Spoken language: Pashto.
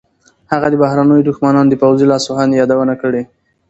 هغه د بهرنیو دښمنانو د پوځي لاسوهنې یادونه کړې.